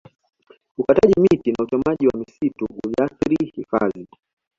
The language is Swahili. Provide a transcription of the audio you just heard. ukataji miti na uchomaji wa misitu uliathiri hifadhi